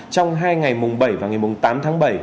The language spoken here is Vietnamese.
trong hai ngày mùng bảy và ngày mùng tám tháng bảy